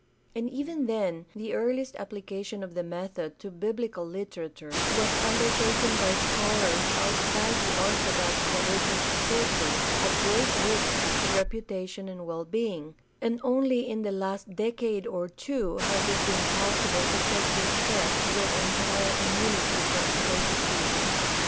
And even then the earliest application of the method to biblical literature was undertaken by scholars outside of orthodox religious circles at great risk to reputation and well being; and only in the last decade or two has it been possible to take this step with entire immunity from persecution.